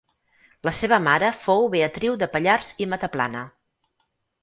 La seva mare fou Beatriu de Pallars i Mataplana.